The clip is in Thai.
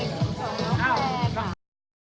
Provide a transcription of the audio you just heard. สวัสดีครับ